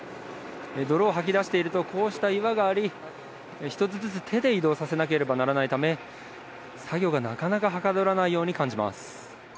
泥をはき出しているとこうした岩があり１つずつ手で移動させなければならないため作業がなかなかはかどらないように感じます。